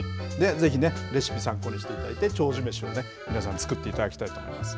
ぜひね、レシピ参考にしていただいて、長寿めしをね、皆さん作っていただきたいと思います。